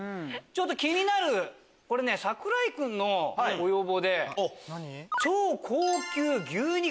ちょっと気になるこれね櫻井君のご要望で超高級牛肉